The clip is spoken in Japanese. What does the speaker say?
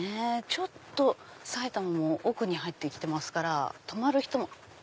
ちょっと埼玉の奥に入ってきてますから泊まる人も。